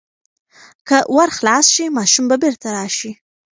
که ور خلاص شي، ماشوم به بیرته راشي.